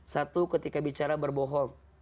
satu ketika bicara berbohong